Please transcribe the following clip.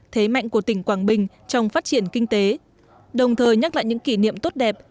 thế mạnh của tỉnh quảng bình trong phát triển kinh tế đồng thời nhắc lại những kỷ niệm tốt đẹp